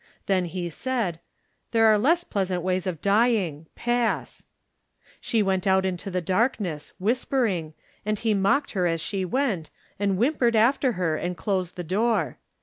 Then he said: 'There are less pleasant ways of dying. Passr "She went out into the darkness, whis pering, and he mocked her as she went, and whimpered after her and closed the door.